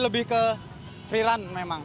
lebih ke kategori yang lebih terkenal